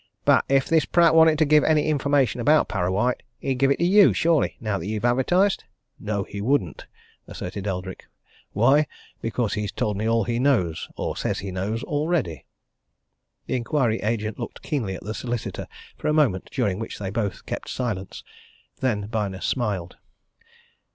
But if this Pratt wanted to give any information about Parrawhite, he'd give it to you, surely, now that you've advertised." "No, he wouldn't!" asserted Eldrick. "Why? Because he's told me all he knows or says he knows already!" The inquiry agent looked keenly at the solicitor for a moment during which they both kept silence. Then Byner smiled.